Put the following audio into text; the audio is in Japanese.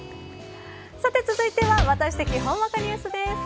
さて続いてはワタシ的ほんわかニュースです。